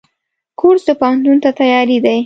کورس د پوهنتون ته تیاری دی.